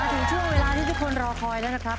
ถึงช่วงเวลาที่ทุกคนรอคอยแล้วนะครับ